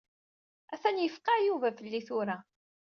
Atan yefqeɛ Yuba fell-i tura.